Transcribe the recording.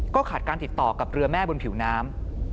ขาดการติดต่อกับเรือแม่บนผิวน้ำ